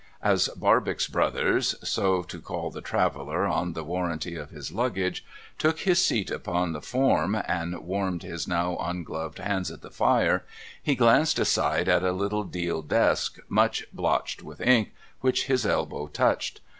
As ]>arbox Brothers (so to call the traveller on the warranty of his luggage) took his seat upon the form, and warmed his now ungloved hands at the fire, he glanced aside at a little deal desk, much blotched with ink, which his elbow touched.